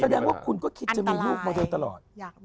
แสดงว่าคุณก็คิดจะมีลูกมาโดยตลอด